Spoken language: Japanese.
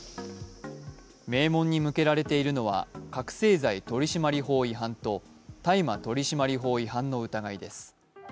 名門に向けられているのは覚醒剤取締法違反と大麻取締法違反の疑いです。